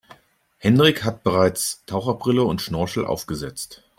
Henrik hat bereits Taucherbrille und Schnorchel aufgesetzt.